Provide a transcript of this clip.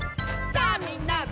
「さあみんな！